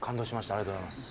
ありがとうございます。